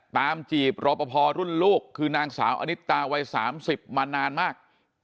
ตามจีบโรปภอรุ่นลูกคือนางสาวอณิตาวัยสามสิบมานานมาก